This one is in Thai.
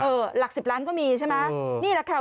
หลักสิบล้านก็มีใช่ไหมนี่แหละค่ะ